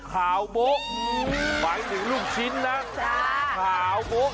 หวังถึงลูกชิ้นนะขาวโบ๊ค